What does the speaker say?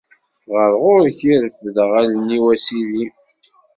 Ɣer ɣur-k i refdeɣ allen-iw, a Sidi.